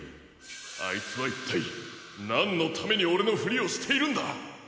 あいつはいったいなんのためにオレのフリをしているんだ？